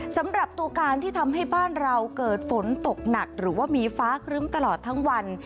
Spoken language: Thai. สำหรับตัวการที่ทำให้บ้านเราเกิดฝนตกหนักหรือว่ามีฟ้าครึ้มตลอดทั้งวัน